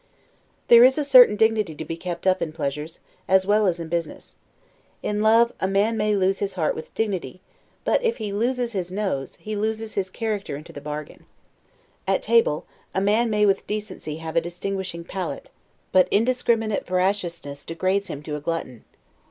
There is a certain dignity to be kept up in pleasures, as well as in business. In love, a man may lose his heart with dignity; but if he loses his nose, he loses his character into the bargain. At table, a man may with decency have a distinguishing palate; but indiscriminate voraciousness degrades him to a glutton.